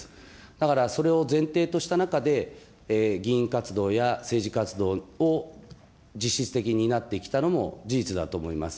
だから、それを前提とした中で、議員活動や政治活動を実質的に担ってきたのも事実だと思います。